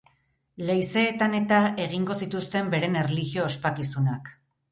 Leizeetan-eta egingo zituzten beren erlijio ospakizunak.